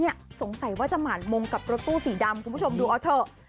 สงสัยว่าจะหมานมงกับรถตู้สีดำคุณผู้ชมดูเอาเถอะ